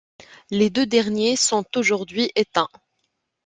Les deux derniers sont aujourd'hui éteints.